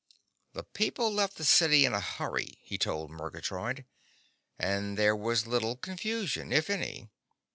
"The people left the city in a hurry," he told Murgatroyd, "and there was little confusion, if any.